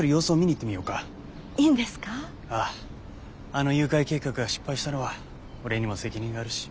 あの誘拐計画が失敗したのは俺にも責任があるし。